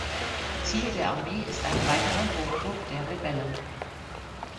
Ziel der Armee ist eine weitere Hochburg der Rebellen.